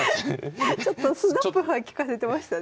ちょっとスナップ利かせてましたね。